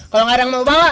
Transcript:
kalo ga ada yang mau bawa